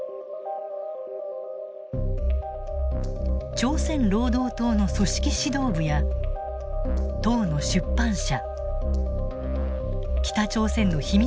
朝鮮労働党の組織指導部や党の出版社北朝鮮の秘密